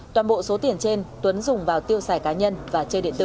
toàn bộ số tiền trên tuấn dùng vào tiêu xài cá nhân và chơi điện tử